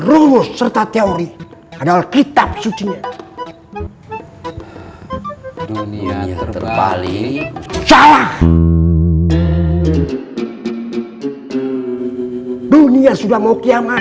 rumus serta teori adalah kitab sucinya dunia bali salah dunia sudah mau kiamat